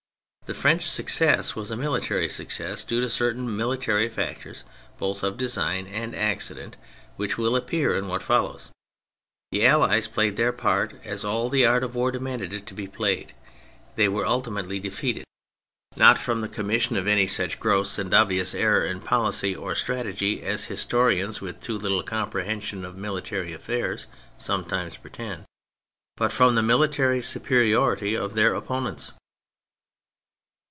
The French success was a military success due to certain military factors both of design and accident, which will appear in what follows. The Allies played their part as all the art of war demanded it to be played; they were ultimately defeated, not from the commission THE MILITARY ASPECT 175 of any such gross and obvious error in policy or strategy as historians with too little compre hension of military affairs sometimes pretend, but from the military superiority of their opponents.